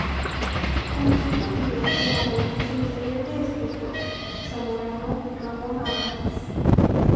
Comenzó su actividad como aprendiz en el taller del escultor zamorano Ramón Abrantes.